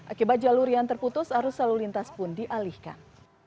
akibat jalur yang terputus arus lalu lintas pun dialihkan